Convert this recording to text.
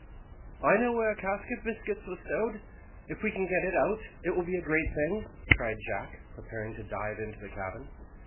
"I know where a cask of biscuits was stowed. If we can get it out, it will be a great thing," cried Jack, preparing to dive into the cabin.